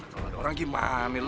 kalau ada orang gimana